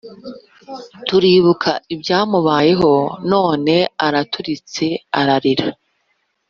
Turibuka ibyamubayeho none araturitse ararira